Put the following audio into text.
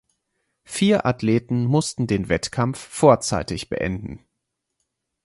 Vier Athleten mussten den Wettkampf vorzeitig beenden.